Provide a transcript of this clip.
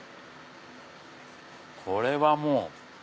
これはもう。